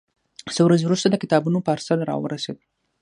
څو ورځې وروسته د کتابونو پارسل راورسېد.